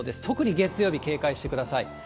特に月曜日、警戒してください。